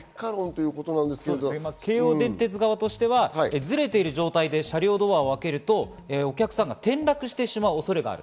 京王電鉄側としては、ズレている状態で車両ドアを開けるとお客さんが転落してしまう恐れがある。